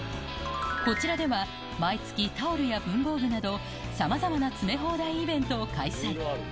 こちらでは毎月、タオルや文房具など、さまざまな詰め放題イベントを開催。